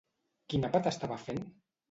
Quin àpat estava fent?